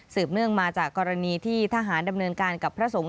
เนื่องมาจากกรณีที่ทหารดำเนินการกับพระสงฆ์